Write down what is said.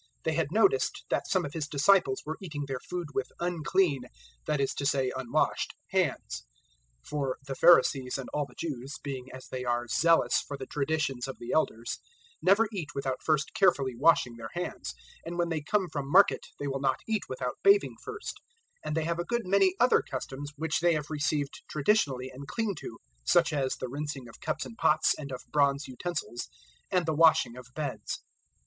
007:002 They had noticed that some of His disciples were eating their food with 'unclean' (that is to say, unwashed) hands. 007:003 (For the Pharisees and all the Jews being, as they are, zealous for the traditions of the Elders never eat without first carefully washing their hands, 007:004 and when they come from market they will not eat without bathing first; and they have a good many other customs which they have received traditionally and cling to, such as the rinsing of cups and pots and of bronze utensils, and the washing of beds.)